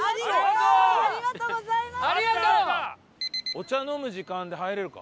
お茶飲む時間で入れるか？